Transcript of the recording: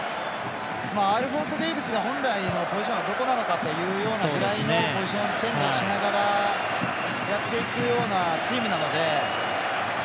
アルフォンソ・デイビスが本来のポジションはどこなのかというようなぐらいのポジションチェンジをしながらやっていくようなチームなので。